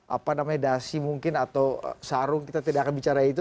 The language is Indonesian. apa namanya dasi mungkin atau sarung kita tidak akan bicara itu